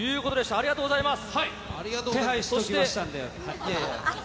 ありがとうございます。